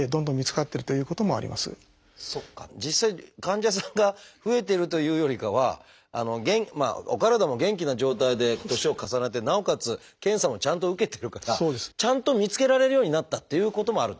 実際患者さんが増えてるというよりかはお体も元気な状態で年を重ねてなおかつ検査もちゃんと受けてるからちゃんと見つけられるようになったっていうこともあるっていうことですね。